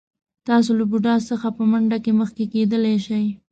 تاسو له بوډا څخه په منډه کې مخکې کېدلی شئ.